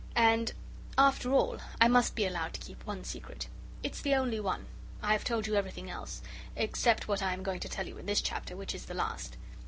and, after all, I must be allowed to keep one secret. It's the only one; I have told you everything else, except what I am going to tell you in this chapter, which is the last.